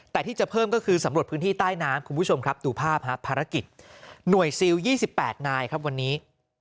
แต่ที่จะเพิ่มก็คือสำรวจพื้นที่ใต้น้ำคุณผู้ชมครับดูภาพฮะภารกิจหน่วยซิล๒๘นายครับวันนี้